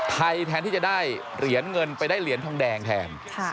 แทนที่จะได้เหรียญเงินไปได้เหรียญทองแดงแทน